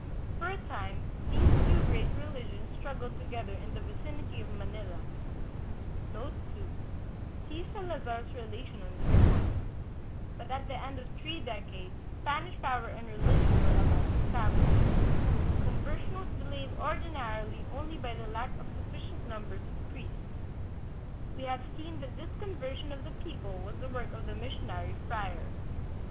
For a time these two great religions struggled together in the vicinity of Ma nila, 2 but at the end of three' decades Spanish power and religion were alike established. Conversion was delayed ordinarily only by the lack of sufficient numbers of priests. We have seen that this conversion of the people was the work of the missionary friars.